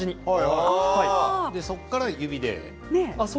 そこから指で。